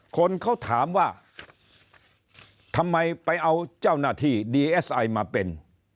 คนเขาถามว่าทำไมไปเอาเจ้าหน้าที่ดีเอสไอมาเป็น